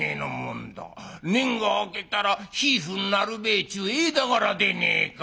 年季が明けたら夫婦になるべえちゅう間柄でねえか」。